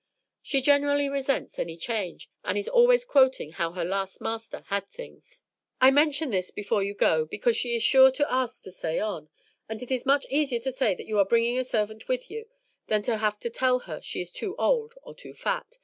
She generally resents any change, and is always quoting how her last master had things. I mention this before you go, because she is sure to ask to stay on, and it is much easier to say that you are bringing a servant with you than to have to tell her she is too old or too fat.